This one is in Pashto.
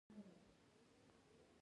بایسکل چلول د خوشحالۍ احساس ورکوي.